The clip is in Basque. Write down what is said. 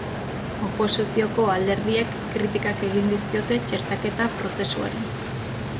Oposizioko alderdiek kritikak egin dizkiote txertaketa prozesuari.